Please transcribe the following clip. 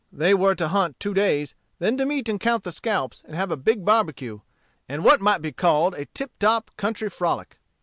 They were to hunt two days; then to meet and count the scalps, and have a big barbecue, and what might be called a tip top country frolic.